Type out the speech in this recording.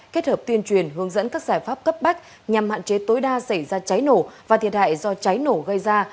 kết hợp tuyên truyền hướng dẫn các giải pháp cấp bách nhằm hạn chế tối đa xảy ra cháy nổ và thiệt hại do cháy nổ gây ra